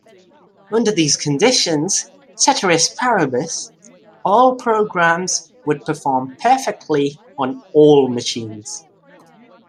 Under these conditions, ceteris paribus, all programs would perform perfectly on all machines.